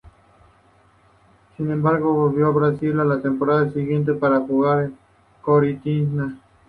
Sin embargo, volvió a Brasil a la temporada siguiente para jugar por el Corinthians.